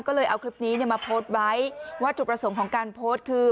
ก็เลยเอาคลิปนี้มาโพสต์ไว้ว่าจุดประสงค์ของการโพสต์คือ